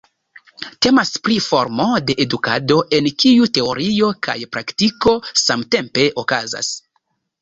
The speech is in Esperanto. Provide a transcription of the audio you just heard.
Temas pri formo de edukado en kiu teorio kaj praktiko samtempe okazas.